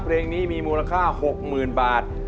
เพลงนี้มีมูลค่า๖๐๐๐บาท